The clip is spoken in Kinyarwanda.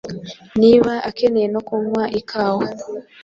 Niba ukeneye no kunywa ikawa,